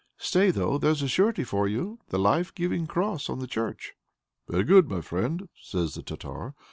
Stay, though! there's a surety for you, the life giving cross on the church!" "Very good, my friend!" says the Tartar.